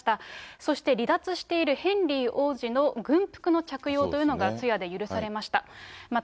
そして離脱しているヘンリー王子の軍服の着用というのが通夜で許されました。